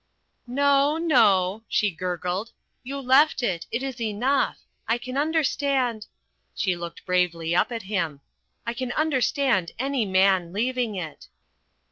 "No, no," she gurgled. "You left it. It is enough. I can understand" she looked bravely up at him "I can understand any man leaving it."